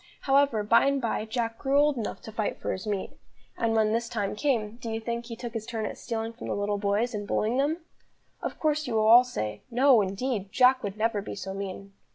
However, by and by, Jack grew old enough to fight for his meat. And when this time came, do you think he took his turn at stealing from the little boys, and bullying them? Of course you will all say: "No, indeed, Jack would never be so mean."